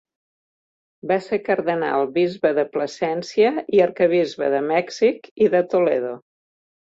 Va ser cardenal, bisbe de Plasència i arquebisbe de Mèxic i de Toledo.